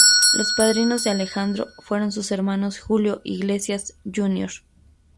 Los padrinos de Alejandro fueron sus hermanos Julio Iglesias, Jr.